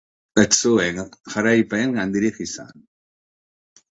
Ez zuen jarraipen handirik izan.